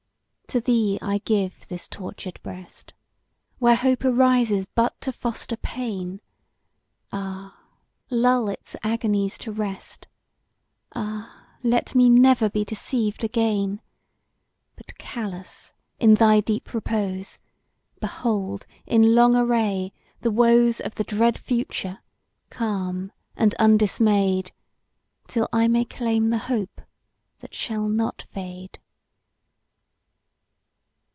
To thee I give this tortured breast, Where Hope arises but to foster pain; Ah! lull its agonies to rest! Ah! let me never be deceived again! But callous, in thy deep repose, Behold, in long array, the woes Of the dread future, calm and undismay'd, Till I may claim the hope that shall not fade!